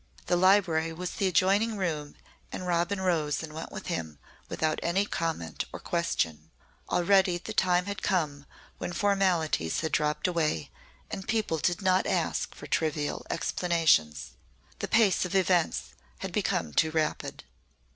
The library was the adjoining room and Robin rose and went with him without any comment or question. Already the time had come when formalities had dropped away and people did not ask for trivial explanations. The pace of events had become too rapid.